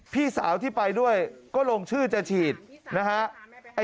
พี่สาวที่ไปด้วยก็ลงชื่อจะฉีดนะฮะ